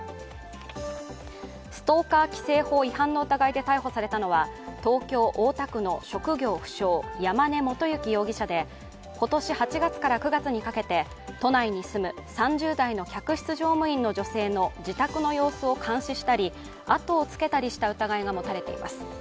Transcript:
ストーカー規制法違反の疑いで逮捕されたのは東京・大田区の職業不詳、山根基之容疑者で今年８月から９月にかけて都内に住む３０代の客室乗務員の女性の自宅の様子を監視したりあとをつけたりした疑いが持たれています。